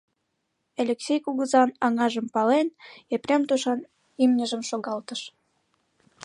Элексей кугызан аҥажым пален, Епрем тушан имньыжым шогалтыш.